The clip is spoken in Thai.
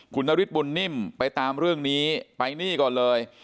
คุณนฤทธบุญนิ่มไปตามเรื่องนี้ไปนี่ก่อนเลย